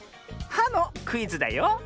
「は」のクイズだよ。